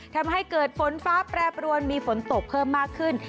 ทำให้เกิดฝนฟ้าแปรปรวนมีฝนตกเพิ่มมากขึ้น